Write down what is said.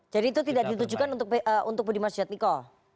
jadi itu tidak ditujukan untuk budiman sujadmiko